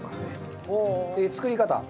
作り方。